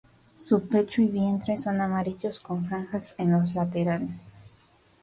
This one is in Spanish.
Su pecho y vientre son amarillos con franjas en los laterales.